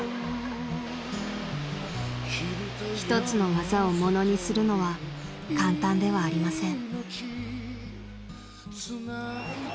［１つの技を物にするのは簡単ではありません］